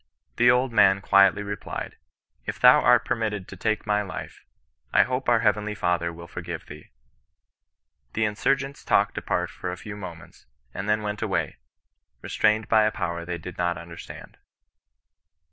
The old man quietly replied, "If thou art permitted to take my life, I hope our Heavenly Father will forgive thee." The insurgents talked apart for a few moments, and then went away, restrained by a Power they did not understand.